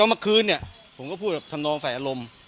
มัคคืนเนี่ยผมก็พูดกับท่านท่านนองใส่อารมณ์